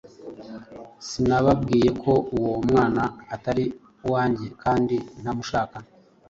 Sinababwiye ko uwo mwana atari uwange, kandi ntamushaka?